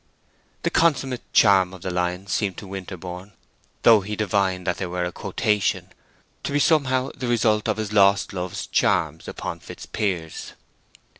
The consummate charm of the lines seemed to Winterborne, though he divined that they were a quotation, to be somehow the result of his lost love's charms upon Fitzpiers.